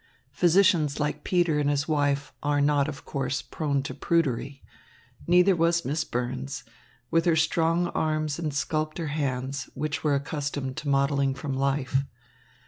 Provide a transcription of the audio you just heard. Physicians like Peter and his wife are not, of course, prone to prudery. Neither was Miss Burns, with her strong arms and sculptor hands, which were accustomed to modelling from life.